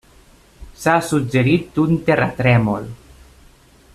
S'ha suggerit un terratrèmol.